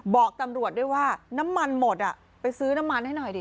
บอกตำรวจด้วยว่าน้ำมันหมดอ่ะไปซื้อน้ำมันให้หน่อยดิ